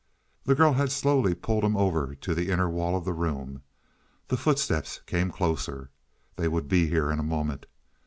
The girl had slowly pulled him over to the inner wall of the room. The footsteps came closer. They would be here in a moment.